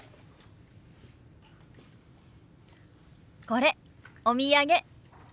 これお土産。